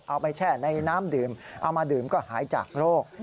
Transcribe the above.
แช่ในน้ำดื่มเอามาดื่มก็หายจากโรค